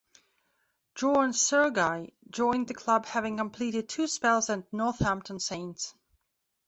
John Surguy joined the club having completed two spells at Northampton Saints.